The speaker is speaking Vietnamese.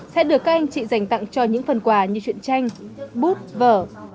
sẽ được các anh chị dành tặng cho những phần quà như chuyện tranh bút vở